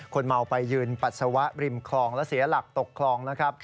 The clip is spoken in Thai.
คนเมาไปยืนปัสสาวะริมคลองและเสียหลักตกคลองนะครับ